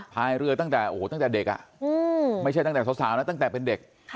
พายเรือตั้งแต่เด็กไม่ใช่ตั้งแต่สาวนะตั้งแต่เป็นเด็ก